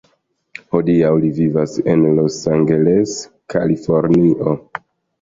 Hodiaŭ ŝi vivas en Los Angeles, Kalifornio.